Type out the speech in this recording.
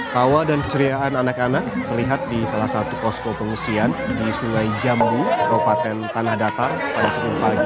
pawa dan keceriaan anak anak terlihat di salah satu kosko pengusian di sulai jambu kabupaten tanah datar pada sepuluh pagi